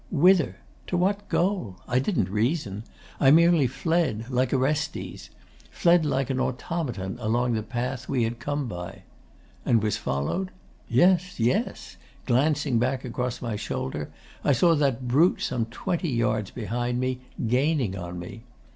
'Whither? To what goal? I didn't reason. I merely fled like Orestes; fled like an automaton along the path we had come by. And was followed? Yes, yes. Glancing back across my shoulder, I saw that brute some twenty yards behind me, gaining on me.